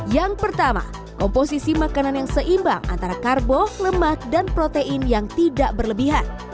yang pertama komposisi makanan yang seimbang antara karbo lemak dan protein yang tidak berlebihan